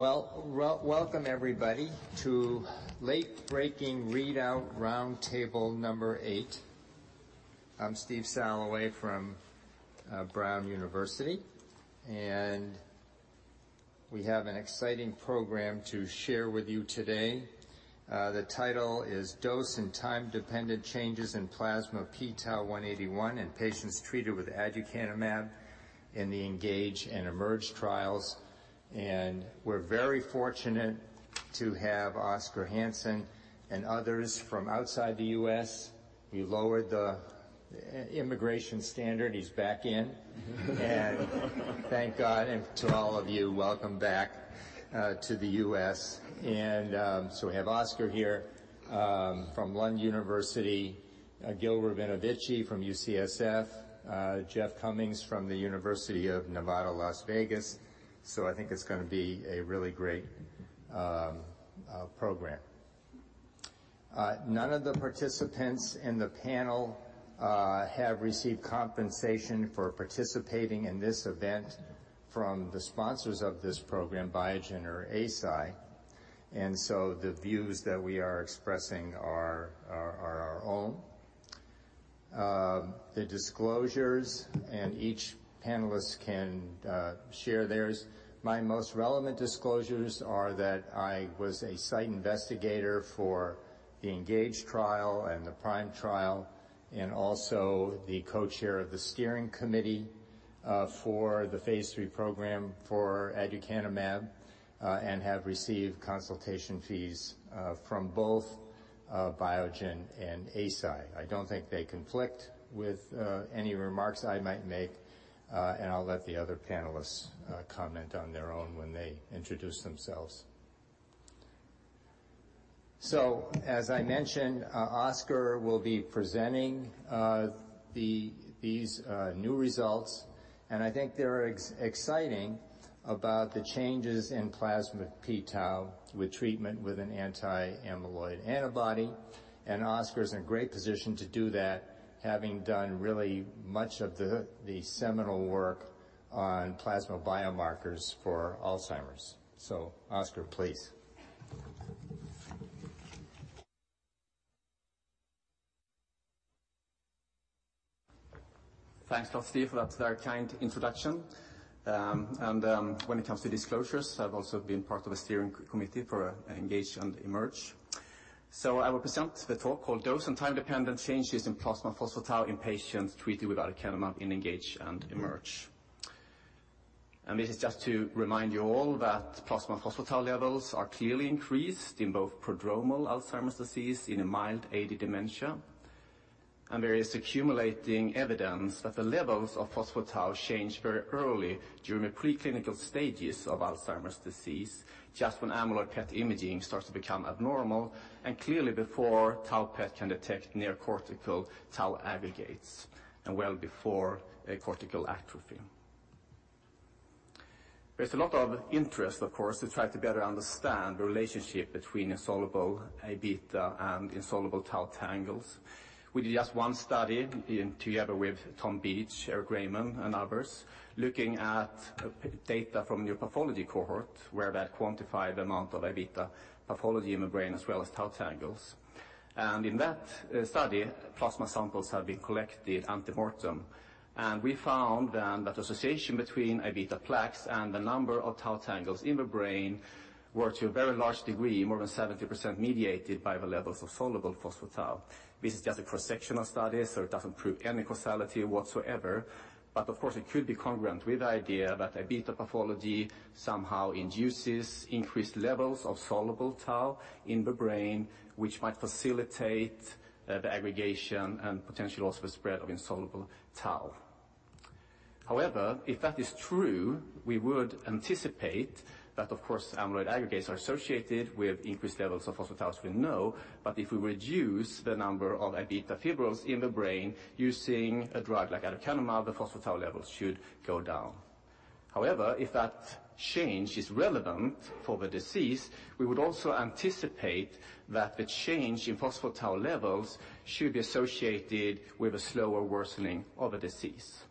Well, welcome everybody to late breaking readout round table number eight. I'm Steve Salloway from Brown University, and we have an exciting program to share with you today. The title is Dose and Time-Dependent Changes in Plasma p-Tau 181 in patients treated with Aducanumab in the ENGAGE and EMERGE trials. We're very fortunate to have Oskar Hansson and others from outside the U.S. He lowered the immigration standard. He's back in. Thank God and to all of you, welcome back to the U.S. We have Oskar here from Lund University, Gil Rabinovici from UCSF, Jeff Cummings from the University of Nevada, Las Vegas. I think it's gonna be a really great program. None of the participants in the panel have received compensation for participating in this event from the sponsors of this program, Biogen or Eisai. The views that we are expressing are our own. The disclosures, and each panelist can share theirs. My most relevant disclosures are that I was a site investigator for the ENGAGE trial and the PRIME trial, and also the co-chair of the steering committee for the phase III program for Aducanumab, and have received consultation fees from both Biogen and Eisai. I don't think they conflict with any remarks I might make, and I'll let the other panelists comment on their own when they introduce themselves. As I mentioned, Oskar will be presenting these new results, and I think they're exciting about the changes in plasma p-tau with treatment with an anti-amyloid antibody. Oskar's in a great position to do that, having done really much of the seminal work on plasma biomarkers for Alzheimer's. Oskar, please. Thanks a lot, Steve, for that very kind introduction. When it comes to disclosures, I've also been part of a steering committee for ENGAGE and EMERGE. I will present the talk called Dose and time-dependent changes in plasma phospho-tau in patients treated with Aducanumab in ENGAGE and EMERGE. This is just to remind you all that plasma phospho-tau levels are clearly increased in both prodromal Alzheimer's disease and mild AD dementia. There is accumulating evidence that the levels of phospho-tau change very early during the preclinical stages of Alzheimer's disease, just when amyloid PET imaging starts to become abnormal and clearly before tau PET can detect neocortical tau aggregates and well before cortical atrophy. There's a lot of interest, of course, to try to better understand the relationship between insoluble A-beta and insoluble tau tangles. We did just one study in together with Tom Beach, Eric Reiman, and others, looking at data from the pathology cohort where that quantified amount of A-beta pathology in the brain as well as tau tangles. In that study, plasma samples have been collected ante-mortem. We found then that association between A-beta plaques and the number of tau tangles in the brain were, to a very large degree, more than 70% mediated by the levels of soluble phospho-tau. This is just a cross-sectional study, so it doesn't prove any causality whatsoever. Of course, it could be congruent with the idea that A-beta pathology somehow induces increased levels of soluble tau in the brain, which might facilitate the aggregation and potentially also spread of insoluble tau. However, if that is true, we would anticipate that, of course, amyloid aggregates are associated with increased levels of phospho-tau as we know. If we reduce the number of A-beta fibrils in the brain using a drug like Aducanumab, the phospho-tau levels should go down. However, if that change is relevant for the disease, we would also anticipate that the change in phospho-tau levels should be associated with a slower worsening of the disease.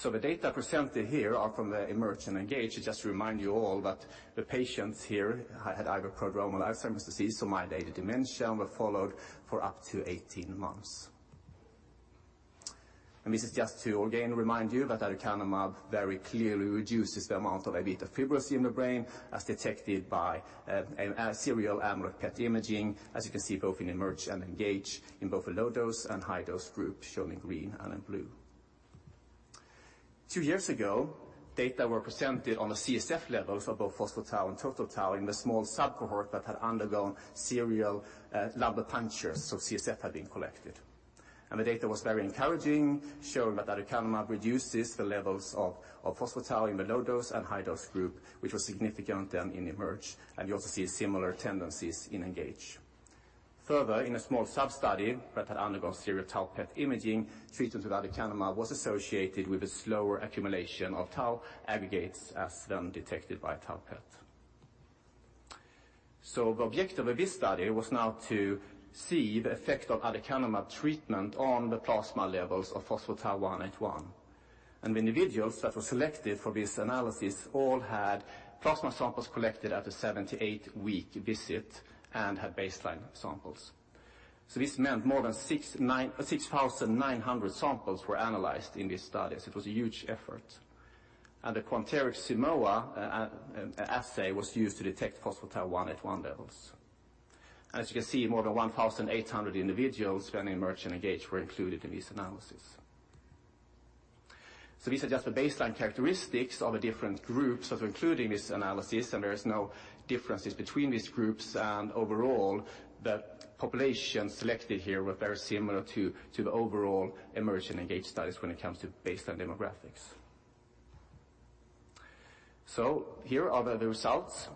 The data presented here are from the EMERGE and ENGAGE. To just remind you all that the patients here had either prodromal Alzheimer's disease or mild AD dementia and were followed for up to 18 months. This is just to again remind you that Aducanumab very clearly reduces the amount of A-beta fibrils in the brain, as detected by a serial amyloid PET imaging. As you can see, both in EMERGE and ENGAGE in both the low-dose and high-dose group shown in green and in blue. Two years ago, data were presented on the CSF levels of both phospho-tau and total tau in the small sub cohort that had undergone serial lumbar punctures, so CSF had been collected. The data was very encouraging, showing that Aducanumab reduces the levels of phospho-tau in the low-dose and high-dose group, which was significant then in EMERGE. You also see similar tendencies in ENGAGE. Further, in a small sub-study that had undergone serial tau PET imaging, treatment with Aducanumab was associated with a slower accumulation of tau aggregates as then detected by a tau PET. The objective of this study was now to see the effect of Aducanumab treatment on the plasma levels of phospho-tau 181. The individuals that were selected for this analysis all had plasma samples collected at the 78-week visit and had baseline samples. This meant more than 6,900 samples were analyzed in this study. It was a huge effort. The Quanterix Simoa assay was used to detect phospho-tau 181 levels. As you can see, more than 1,800 individuals from EMERGE and ENGAGE were included in this analysis. These are just the baseline characteristics of the different groups that were included in this analysis, and there is no differences between these groups and overall the population selected here were very similar to the overall EMERGE and ENGAGE studies when it comes to baseline demographics. Here are the results.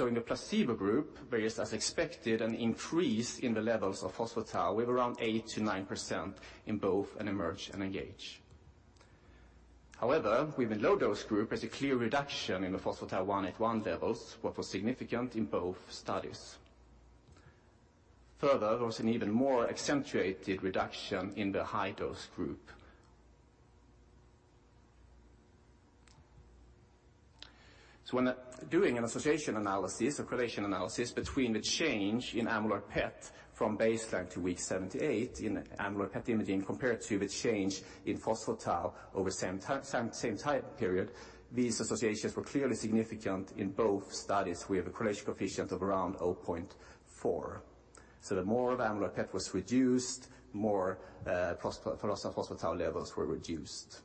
In the placebo group, there is, as expected, an increase in the levels of phospho-tau with around 8%-9% in both in EMERGE and ENGAGE. However, with the low-dose group, there's a clear reduction in the phospho-tau 181 levels, what was significant in both studies. Further, there was an even more accentuated reduction in the high-dose group. When doing an association analysis, a correlation analysis between the change in amyloid PET from baseline to week 78 in amyloid PET imaging compared to the change in phospho-tau over the same time period, these associations were clearly significant in both studies. We have a correlation coefficient of around 0.4. The more the amyloid PET was reduced, more phospho-tau levels were reduced.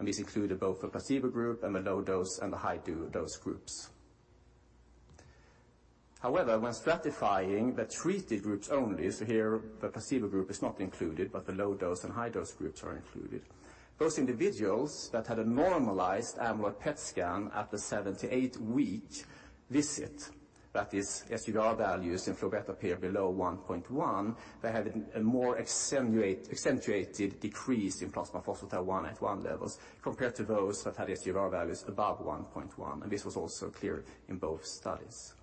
This included both the placebo group and the low-dose and the high-dose groups. However, when stratifying the treated groups only, so here the placebo group is not included, but the low-dose and high-dose groups are included. Those individuals that had a normalized amyloid PET scan at the 78-week visit, that is SUVR values in Florbetapir below 1.1, they had a more accentuated decrease in plasma phospho-tau 181 levels compared to those that had SUVR values above 1.1. This was also clear in both studies.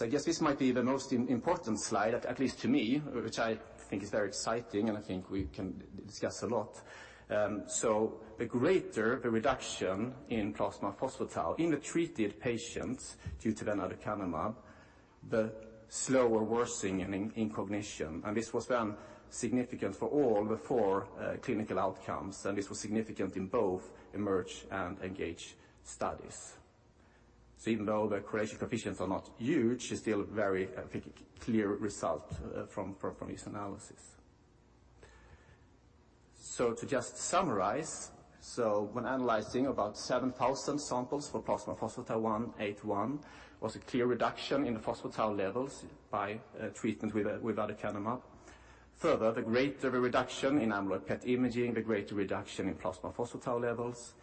I guess this might be the most important slide, at least to me, which I think is very exciting, and I think we can discuss a lot. The greater the reduction in plasma phospho-tau in the treated patients due to the Aducanumab, the slower worsening in cognition. This was then significant for all the four clinical outcomes. This was significant in both EMERGE and ENGAGE studies. Even though the correlation coefficients are not huge, it's still very, I think, clear result from this analysis. To just summarize, when analyzing about 7,000 samples for plasma phospho-tau 181, there was a clear reduction in the phospho-tau levels by treatment with Aducanumab. Further, the greater the reduction in amyloid PET imaging, the greater reduction in plasma phospho-tau levels.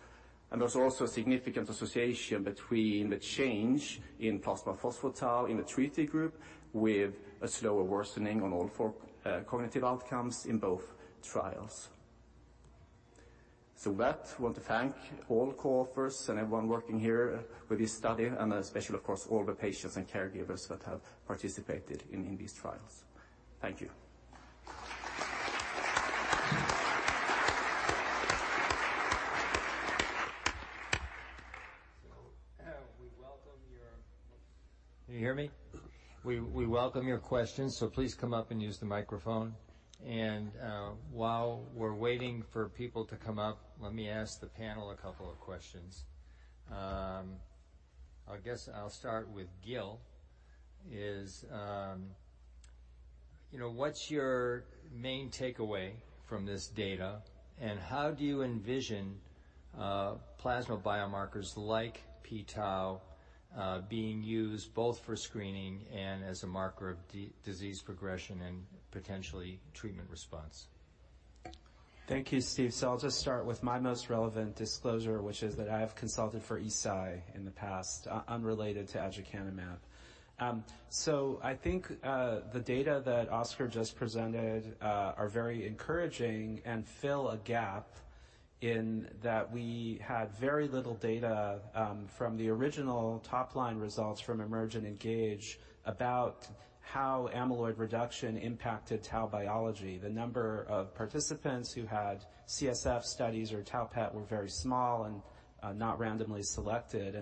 There's also a significant association between the change in plasma phospho-tau in the treated group with a slower worsening on all four cognitive outcomes in both trials. With that, I want to thank all co-authors and everyone working here with this study and especially, of course, all the patients and caregivers that have participated in these trials. Thank you. We welcome your questions. Can you hear me? We welcome your questions, so please come up and use the microphone. While we're waiting for people to come up, let me ask the panel a couple of questions. I guess I'll start with Gil. You know, what's your main takeaway from this data, and how do you envision plasma biomarkers like p-tau being used both for screening and as a marker of disease progression and potentially treatment response? Thank you, Steve. I'll just start with my most relevant disclosure, which is that I have consulted for Eisai in the past, unrelated to Aducanumab. I think the data that Oskar just presented are very encouraging and fill a gap in that we had very little data from the original top-line results from EMERGE and ENGAGE about how amyloid reduction impacted tau biology. The number of participants who had CSF studies or tau PET were very small and not randomly selected.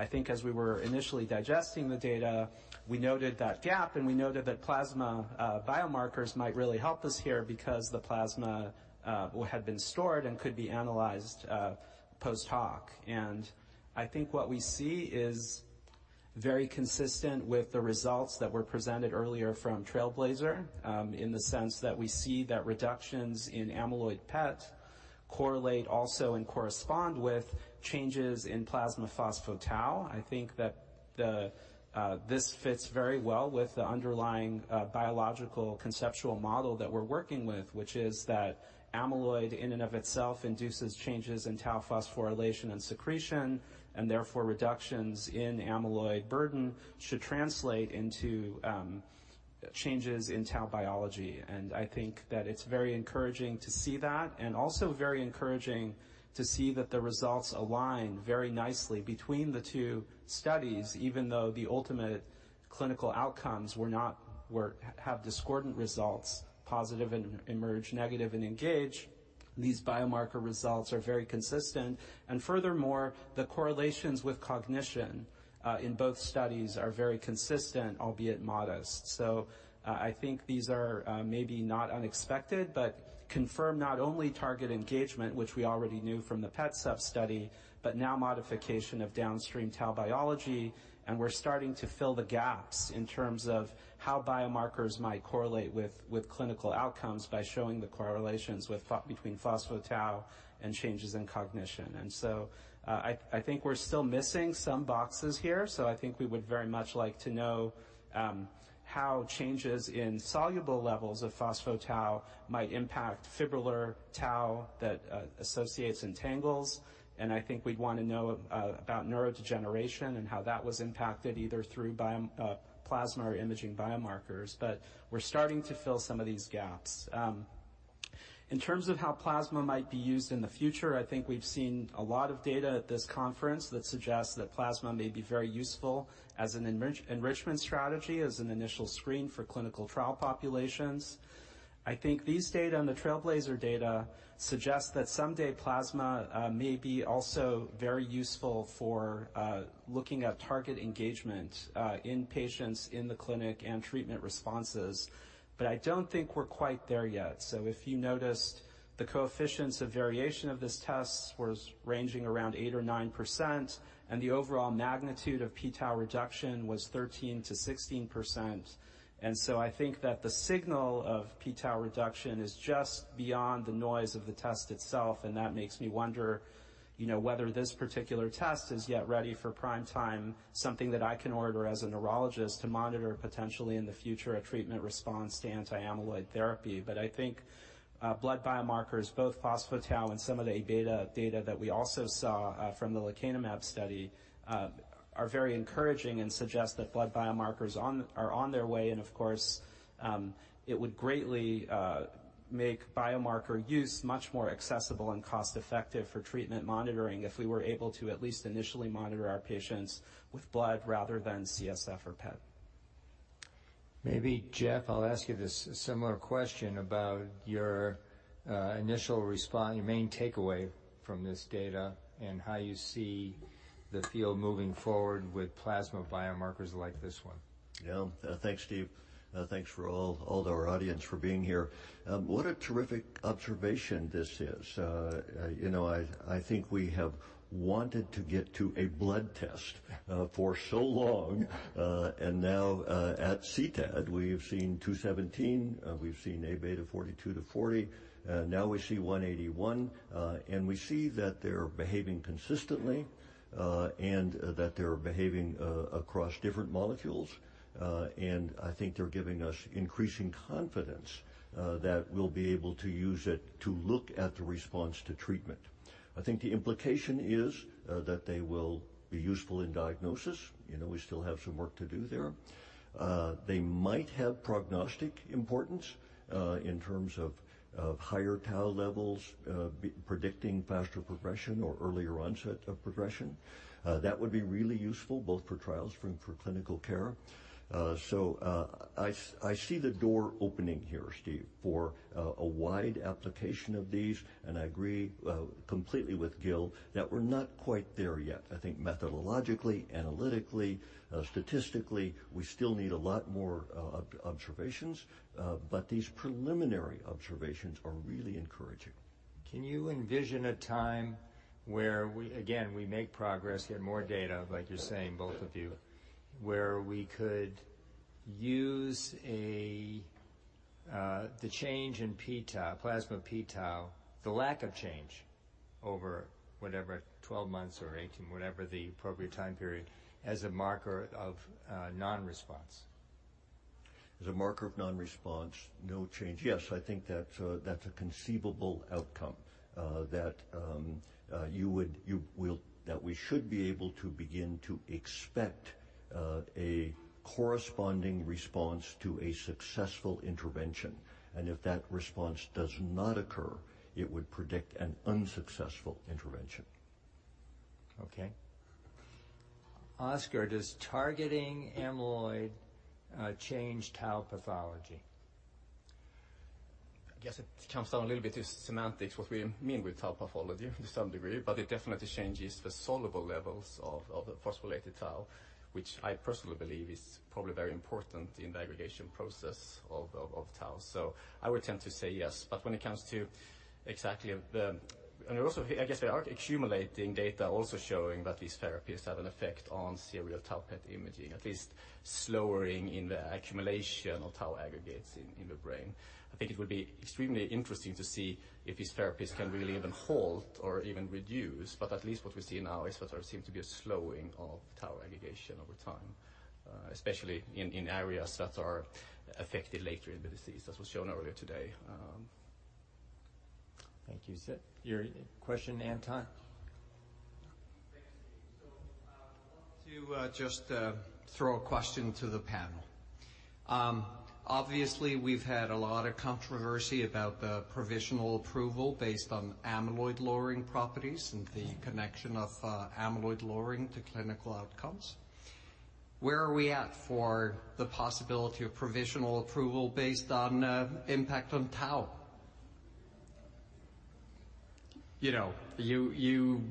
I think as we were initially digesting the data, we noted that gap, and we noted that plasma biomarkers might really help us here because the plasma had been stored and could be analyzed post-hoc. I think what we see is very consistent with the results that were presented earlier from TRAILBLAZER, in the sense that we see that reductions in amyloid PETs correlate also and correspond with changes in plasma phospho-tau. I think that this fits very well with the underlying biological conceptual model that we're working with, which is that amyloid in and of itself induces changes in tau phosphorylation and secretion, and therefore reductions in amyloid burden should translate into changes in tau biology. I think that it's very encouraging to see that and also very encouraging to see that the results align very nicely between the two studies, even though the ultimate clinical outcomes have discordant results, positive in EMERGE, negative in ENGAGE. These biomarker results are very consistent, and furthermore, the correlations with cognition in both studies are very consistent, albeit modest. I think these are maybe not unexpected, but confirm not only target engagement, which we already knew from the PET sub study, but now modification of downstream tau biology. We're starting to fill the gaps in terms of how biomarkers might correlate with clinical outcomes by showing the correlations between phospho-tau and changes in cognition. I think we're still missing some boxes here. I think we would very much like to know how changes in soluble levels of phospho-tau might impact fibrillar tau that associates in tangles. I think we'd wanna know about neurodegeneration and how that was impacted either through blood, plasma or imaging biomarkers. We're starting to fill some of these gaps. In terms of how plasma might be used in the future, I think we've seen a lot of data at this conference that suggests that plasma may be very useful as an enrichment strategy, as an initial screen for clinical trial populations. I think these data and the TRAILBLAZER data suggests that someday plasma may be also very useful for looking at target engagement in patients in the clinic and treatment responses. I don't think we're quite there yet. If you noticed, the coefficients of variation of this test was ranging around 8 or 9%, and the overall magnitude of p-tau reduction was 13%-16%. I think that the signal of p-tau reduction is just beyond the noise of the test itself, and that makes me wonder, you know, whether this particular test is yet ready for prime time, something that I can order as a neurologist to monitor potentially in the future a treatment response to anti-amyloid therapy. I think blood biomarkers, both phospho-tau and some of the A-beta data that we also saw from the Lecanemab study, are very encouraging and suggest that blood biomarkers are on their way. Of course, it would greatly make biomarker use much more accessible and cost-effective for treatment monitoring if we were able to at least initially monitor our patients with blood rather than CSF or PET. Maybe, Jeff, I'll ask you this similar question about your initial main takeaway from this data and how you see the field moving forward with plasma biomarkers like this one. Yeah. Thanks, Steve. Thanks for all of our audience for being here. What a terrific observation this is. You know, I think we have wanted to get to a blood test for so long. Now, at CTAD, we've seen 217, we've seen A-beta 42/40, now we see 181. We see that they're behaving consistently, and that they're behaving across different molecules. I think they're giving us increasing confidence that we'll be able to use it to look at the response to treatment. I think the implication is that they will be useful in diagnosis. You know, we still have some work to do there. They might have prognostic importance in terms of higher tau levels predicting faster progression or earlier onset of progression. That would be really useful both for trials and for clinical care. I see the door opening here, Steve, for a wide application of these. I agree completely with Gil that we're not quite there yet. I think methodologically, analytically, statistically, we still need a lot more observations, but these preliminary observations are really encouraging. Can you envision a time where we again make progress, get more data, like you're saying, both of you, where we could use the change in p-tau, plasma p-tau, the lack of change over whatever 12 months or 18, whatever the appropriate time period, as a marker of non-response? As a marker of non-response, no change. Yes, I think that's a conceivable outcome, that we should be able to begin to expect a corresponding response to a successful intervention. If that response does not occur, it would predict an unsuccessful intervention. Okay. Oskar, does targeting amyloid change tau pathology? I guess it comes down a little bit to semantics, what we mean with tau pathology to some degree, but it definitely changes the soluble levels of the phosphorylated tau, which I personally believe is probably very important in the aggregation process of tau. I would tend to say yes, but when it comes to exactly the. I guess they are accumulating data also showing that these therapies have an effect on serial tau PET imaging, at least slowing in the accumulation of tau aggregates. The brain. I think it would be extremely interesting to see if these therapies can really even halt or even reduce. At least what we see now is that there seems to be a slowing of tau aggregation over time, especially in areas that are affected later in the disease, as was shown earlier today. Thank you, Seth. Your question, Anton. Thanks. I want to just throw a question to the panel. Obviously, we've had a lot of controversy about the provisional approval based on amyloid-lowering properties and the connection of amyloid lowering to clinical outcomes. Where are we at for the possibility of provisional approval based on impact on tau? You know, you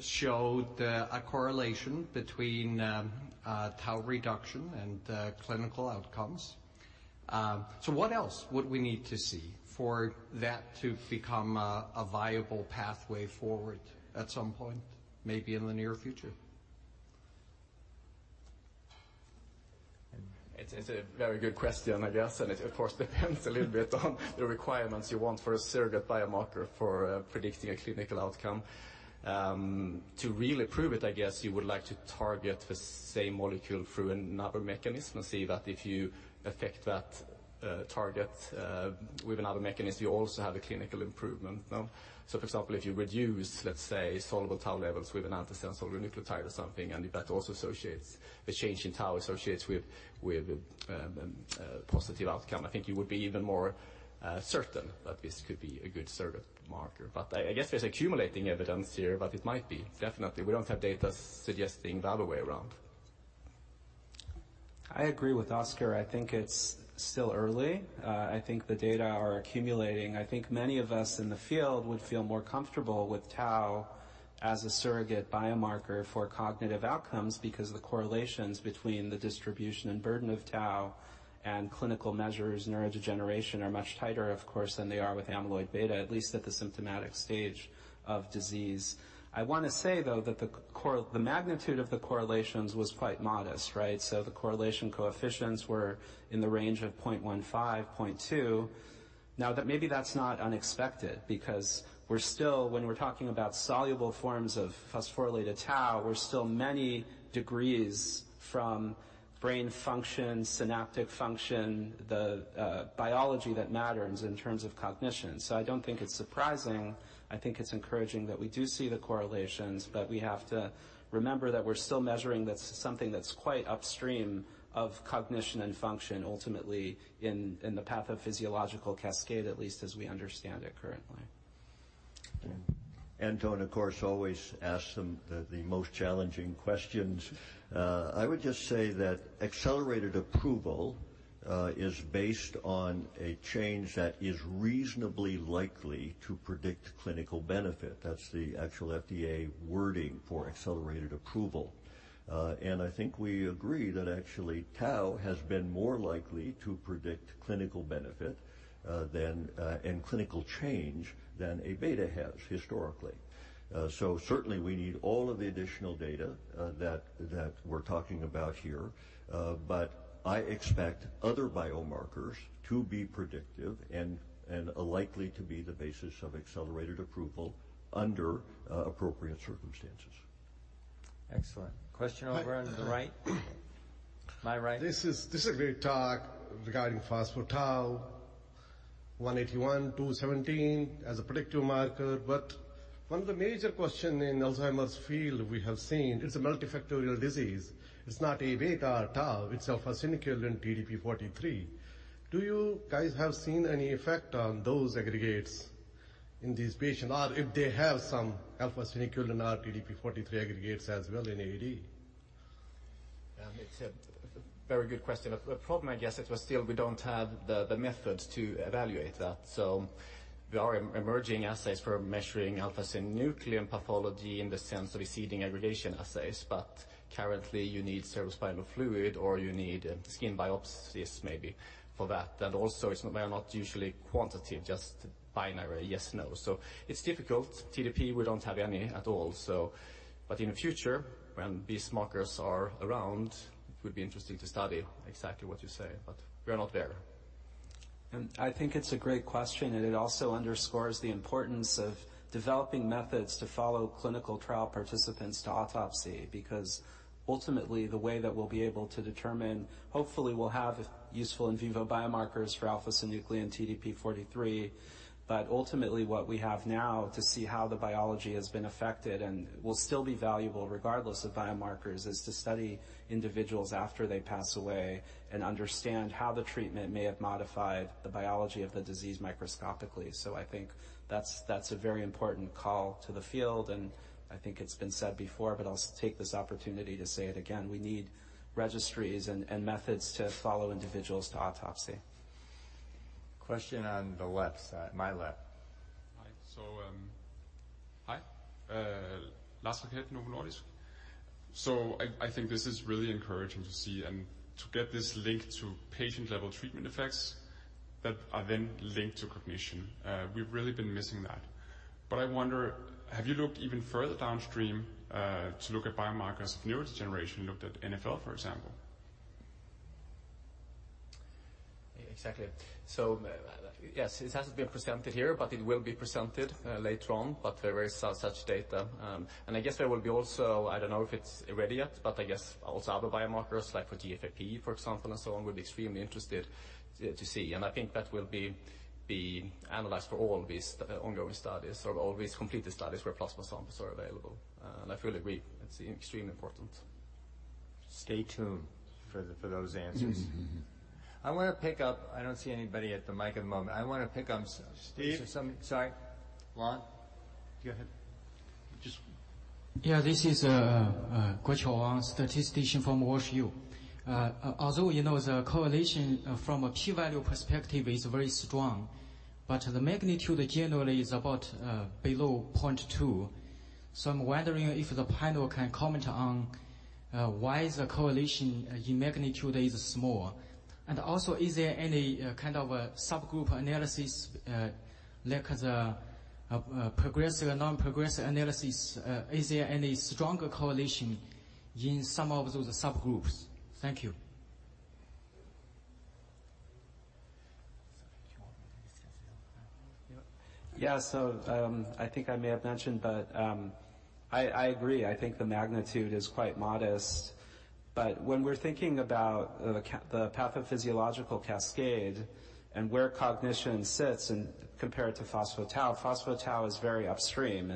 showed a correlation between tau reduction and clinical outcomes. What else would we need to see for that to become a viable pathway forward at some point, maybe in the near future? It's a very good question, I guess, and it of course depends a little bit on the requirements you want for a surrogate biomarker for predicting a clinical outcome. To really prove it, I guess you would like to target the same molecule through another mechanism and see that if you affect that target with another mechanism, you also have a clinical improvement. For example, if you reduce, let's say, soluble tau levels with an antisense oligonucleotide or something, and if the change in tau associates with positive outcome, I think you would be even more certain that this could be a good surrogate marker. I guess there's accumulating evidence here that it might be. Definitely, we don't have data suggesting the other way around. I agree with Oscar. I think it's still early. I think the data are accumulating. I think many of us in the field would feel more comfortable with tau as a surrogate biomarker for cognitive outcomes because the correlations between the distribution and burden of tau and clinical measures, neurodegeneration are much tighter, of course, than they are with amyloid beta, at least at the symptomatic stage of disease. I wanna say, though, that the magnitude of the correlations was quite modest, right? The correlation coefficients were in the range of 0.15, 0.2. Now that maybe that's not unexpected because we're still when we're talking about soluble forms of phosphorylated tau, we're still many degrees from brain function, synaptic function, the biology that matters in terms of cognition. I don't think it's surprising. I think it's encouraging that we do see the correlations, but we have to remember that we're still measuring something that's quite upstream of cognition and function ultimately in the pathophysiological cascade, at least as we understand it currently. Okay. Anton, of course, always asks them the most challenging questions. I would just say that Accelerated Approval is based on a change that is reasonably likely to predict clinical benefit. That's the actual FDA wording for Accelerated Approval. I think we agree that actually tau has been more likely to predict clinical benefit than and clinical change than A-beta has historically. Certainly we need all of the additional data that we're talking about here. I expect other biomarkers to be predictive and likely to be the basis of Accelerated Approval under appropriate circumstances. Excellent. Question over on the right. My right. This is a great talk regarding phospho-tau 181, p-Tau 217 as a predictive marker. One of the major question in Alzheimer's field we have seen it's a multifactorial disease. It's not A-beta or tau, it's alpha-synuclein TDP-43. Do you guys have you seen any effect on those aggregates in these patients or if they have some alpha-synuclein or TDP-43 aggregates as well in AD? It's a very good question. The problem, I guess, it was still we don't have the methods to evaluate that. There are emerging assays for measuring alpha-synuclein pathology in the sense of seeding aggregation assays. But currently, you need cerebrospinal fluid or you need skin biopsies maybe for that. They are not usually quantitative, just binary, yes, no. It's difficult. TDP, we don't have any at all. In the future, when these markers are around, it would be interesting to study exactly what you say, but we are not there. I think it's a great question, and it also underscores the importance of developing methods to follow clinical trial participants to autopsy. Because ultimately, the way that we'll be able to determine, hopefully we'll have useful in vivo biomarkers for alpha-synuclein TDP-43. Ultimately, what we have now to see how the biology has been affected and will still be valuable regardless of biomarkers, is to study individuals after they pass away and understand how the treatment may have modified the biology of the disease microscopically. I think that's a very important call to the field, and I think it's been said before, but I'll take this opportunity to say it again. We need registries and methods to follow individuals to autopsy. Question on the left side. My left. Hi. Lars Raket, Novo Nordisk. I think this is really encouraging to see and to get this link to patient-level treatment effects that are then linked to cognition. We've really been missing that. I wonder, have you looked even further downstream, to look at biomarkers of neurodegeneration, looked at NfL, for example? Exactly. Yes, it hasn't been presented here, but it will be presented later on. There is such data. I guess there will be also, I don't know if it's ready yet, but I guess also other biomarkers like for GFAP, for example, and so on, will be extremely interested to see. I think that will be analyzed for all these ongoing studies or all these completed studies where plasma samples are available. I fully agree, it's extremely important. Stay tuned for those answers. I wanna pick up. I don't see anybody at the mic at the moment. Steve. Sorry. Ron. Go ahead. Just. Yeah. This is Guoqiao Wang, statistician from Wash U. Although, you know, the correlation from a p-value perspective is very strong, but the magnitude generally is about below 0.2. I'm wondering if the panel can comment on why the correlation in magnitude is small. Also, is there any kind of a subgroup analysis like the progressive, non-progressive analysis, is there any stronger correlation in some of those subgroups? Thank you. Yeah. I think I may have mentioned, but I agree. I think the magnitude is quite modest. When we're thinking about the pathophysiological cascade and where cognition sits and compared to phospho-tau, phospho-tau is very upstream.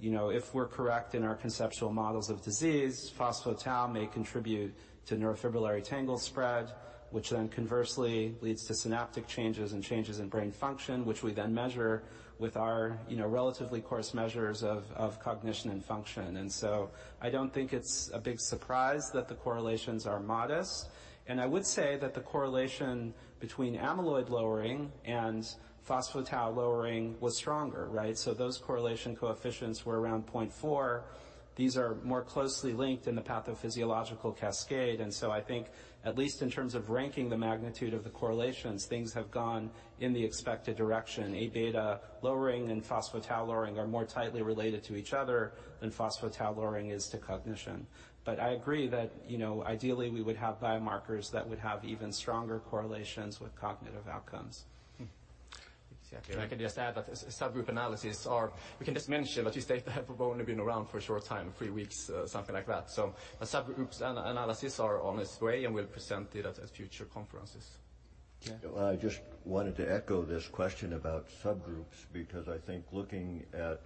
You know, if we're correct in our conceptual models of disease, phospho-tau may contribute to neurofibrillary tangle spread, which then conversely leads to synaptic changes and changes in brain function, which we then measure with our you know, relatively coarse measures of cognition and function. I don't think it's a big surprise that the correlations are modest. I would say that the correlation between amyloid lowering and phospho-tau lowering was stronger, right? Those correlation coefficients were around 0.4. These are more closely linked in the pathophysiological cascade. I think at least in terms of ranking the magnitude of the correlations, things have gone in the expected direction. A-beta lowering and phospho-tau lowering are more tightly related to each other than phospho-tau lowering is to cognition. I agree that, you know, ideally, we would have biomarkers that would have even stronger correlations with cognitive outcomes. Exactly. I can just add that we can just mention that these data have only been around for a short time, three weeks, something like that. The subgroup analyses are on its way, and we'll present it at future conferences. Yeah. I just wanted to echo this question about subgroups, because I think looking at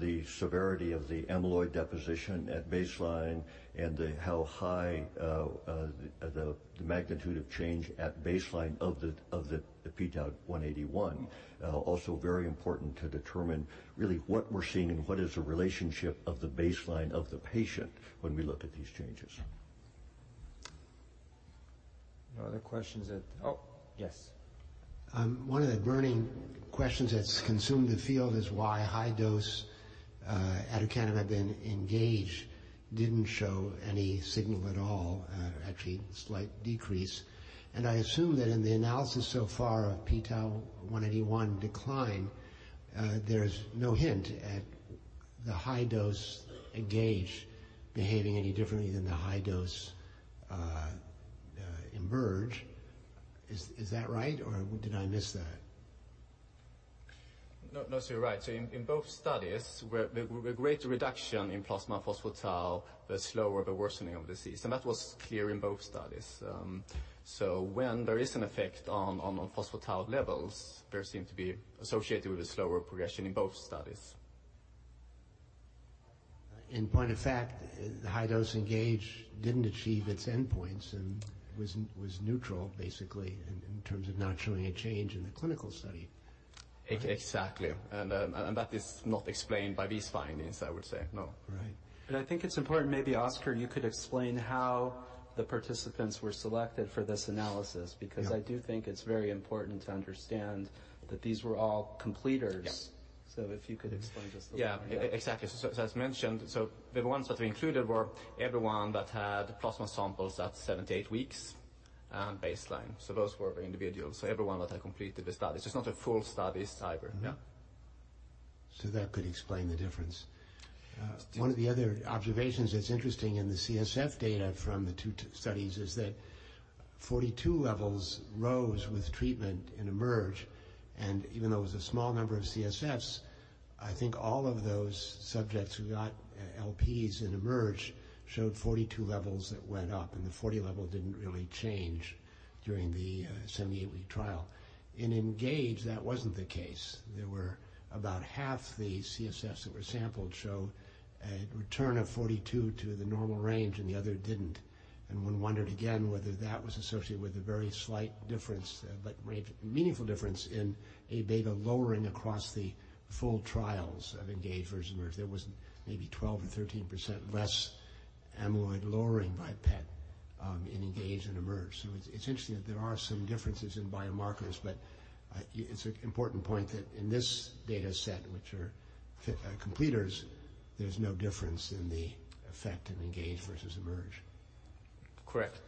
the severity of the amyloid deposition at baseline and the magnitude of change at baseline of the p-Tau 181 also very important to determine really what we're seeing and what is the relationship of the baseline of the patient when we look at these changes. No other questions that. Oh, yes. One of the burning questions that's consumed the field is why high dose Aducanumab in ENGAGE didn't show any signal at all, actually slight decrease. I assume that in the analysis so far of p-tau 181 decline, there's no hint at the high dose ENGAGE behaving any differently than the high dose EMERGE. Is that right? Or did I miss that? No, no. You're right. In both studies, where the great reduction in plasma phospho-tau, the slower the worsening of disease, and that was clear in both studies. When there is an effect on phospho-tau levels, there seem to be associated with a slower progression in both studies. In point of fact, high dose ENGAGE didn't achieve its endpoints and was neutral basically in terms of not showing a change in the clinical study. Exactly. That is not explained by these findings, I would say. No. Right. I think it's important, maybe Oskar, you could explain how the participants were selected for this analysis, because I do think it's very important to understand that these were all completers. Yeah. If you could explain just a little bit. Yeah. Exactly. As mentioned, the ones that we included were everyone that had plasma samples at 78 weeks and baseline. Those were the individuals. Everyone that had completed the studies. It's not a full studies either. Yeah. That could explain the difference. One of the other observations that's interesting in the CSF data from the two studies is that 42 levels rose with treatment in EMERGE. Even though it was a small number of CSFs, I think all of those subjects who got LPs in EMERGE showed 42 levels that went up, and the 40 level didn't really change during the 78-week trial. In ENGAGE, that wasn't the case. There were about half the CSFs that were sampled showed a return of 42 to the normal range and the other didn't. One wondered again whether that was associated with a very slight difference but rather meaningful difference in A-beta lowering across the full trials of ENGAGE versus EMERGE. There was maybe 12 or 13% less amyloid lowering by PET in ENGAGE and EMERGE. It's interesting that there are some differences in biomarkers, but it's an important point that in this dataset, which are completers, there's no difference in the effect in ENGAGE versus EMERGE. Correct.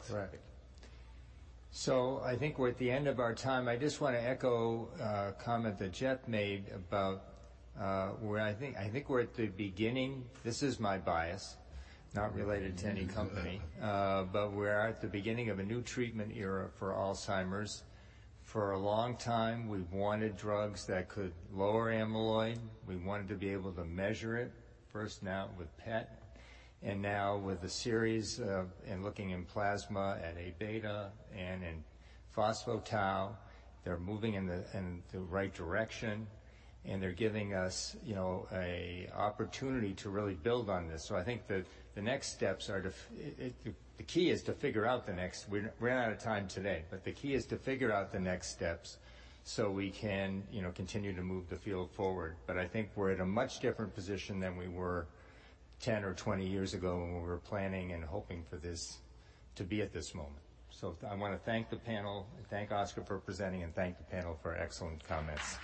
Right. I think we're at the end of our time. I just wanna echo a comment that Jeff made about where I think we're at the beginning. This is my bias, not related to any company. We're at the beginning of a new treatment era for Alzheimer's. For a long time, we've wanted drugs that could lower amyloid. We wanted to be able to measure it, first with PET and now with a series of and looking in plasma at A-beta and in phospho-tau. They're moving in the right direction, and they're giving us, you know, a opportunity to really build on this. I think the key is to figure out the next. We're out of time today, but the key is to figure out the next steps so we can, you know, continue to move the field forward. I think we're in a much different position than we were 10 or 20 years ago when we were planning and hoping for this to be at this moment. I wanna thank the panel, thank Oskar for presenting, and thank the panel for excellent comments.